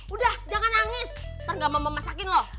udah jangan nangis ntar gak mau memasakin lo